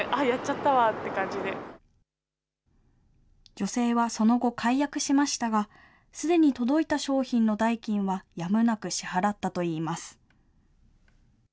女性はその後、解約しましたが、すでに届いた商品の代金はやむなく支払ったといいます。